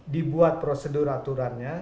dibuat prosedur aturannya